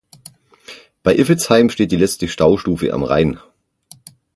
Bei Iffezheim steht die letzte Staustufe am Rhein.